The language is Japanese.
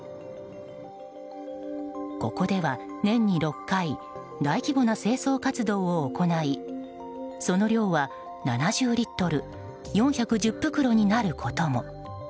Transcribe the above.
ここでは年に６回大規模な清掃活動を行いその量は、７０リットル４１０袋になることも。